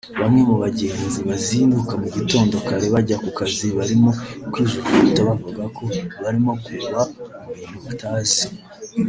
Bamwe mu bagenzi bazinduka mugitondo kare bajya ku kazi barimo kwijujuta bavuga ko barimo kugwa mu bintu batazi